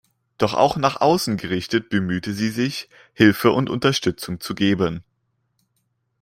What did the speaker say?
Doch auch nach außen gerichtet bemühte sie sich, Hilfe und Unterstützung zu geben.